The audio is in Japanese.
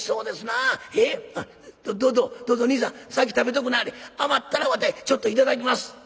あっどうぞどうぞ兄さん先食べとくんなはれ。余ったらわてちょっと頂きます」。